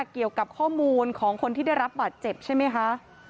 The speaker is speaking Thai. เกี่ยวกับข้อมูลของคนที่ได้รับบาดเจ็บใช่ไหมคะ